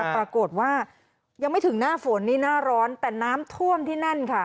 ปรากฏว่ายังไม่ถึงหน้าฝนนี่หน้าร้อนแต่น้ำท่วมที่นั่นค่ะ